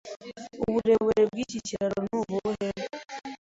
Uburebure bwiki kiraro ni ubuhe?